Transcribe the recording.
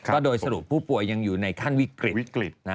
ก็โดยสรุปผู้ป่วยยังอยู่ในขั้นวิกฤตวิกฤตนะ